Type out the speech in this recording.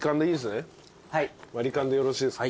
割り勘でよろしいですか？